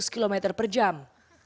dua ratus km per jam